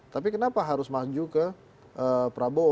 tapi kenapa harus maju ke prabowo